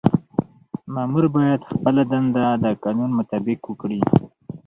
مامور باید خپله دنده د قانون مطابق وکړي.